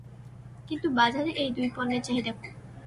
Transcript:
কিন্তু বাজারে এই দুই পণ্যের চাহিদা কম।